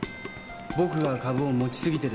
僕が株を持ち過ぎてる。